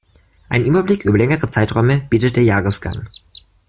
Einen Überblick über längere Zeiträume bietet der Jahresgang.